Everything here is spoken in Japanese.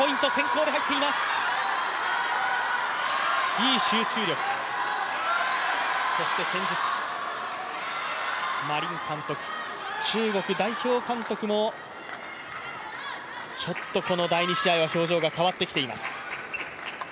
いい集中力、そして戦術、馬琳監督、中国代表監督もちょっとこの第２試合は表情が変わってきています。